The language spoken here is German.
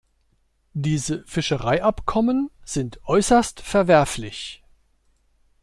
Diese Fischereiabkommen sind äußerst verwerflich.